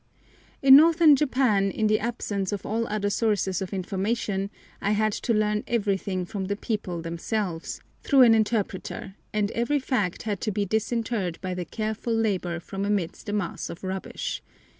In Northern Japan, in the absence of all other sources of information, I had to learn everything from the people themselves, through an interpreter, and every fact had to be disinterred by careful labour from amidst a mass of rubbish.